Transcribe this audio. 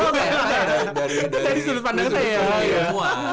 itu dari sudut pandang saya